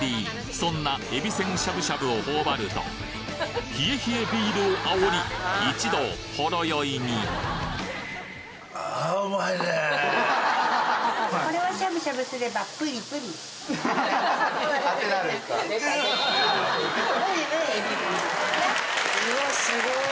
そんなえびせんしゃぶしゃぶを頬張ると冷え冷えビールをあおり一同ほろ酔いにうわすごい！